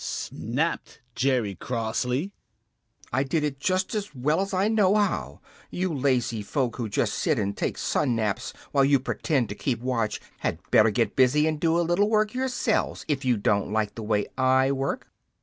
snapped Jerry crossly. "I did it just as well as I know how. You lazy folks who just sit and take sun naps while you pretend to keep watch had better get busy and do a little work yourselves, if you don't like the way I work."